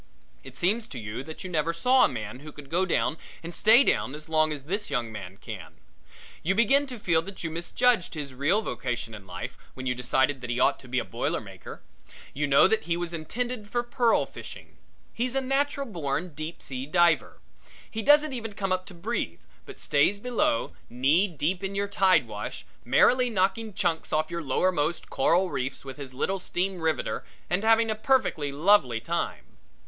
It seems to you that you never saw a man who could go down and stay down as long as this young man can. You begin to feel that you misjudged his real vocation in life when you decided that he ought to be a boiler maker. You know that he was intended for pearl fishing. He's a natural born deep sea diver. He doesn't even have to come up to breathe, but stays below, knee deep in your tide wash, merrily knocking chunks off your lowermost coral reefs with his little steam riveter and having a perfectly lovely time.